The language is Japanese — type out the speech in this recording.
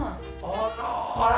あら！